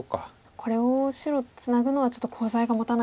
これを白ツナぐのはちょっとコウ材がもたない。